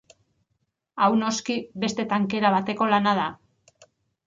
Hau noski beste tankera bateko lana da.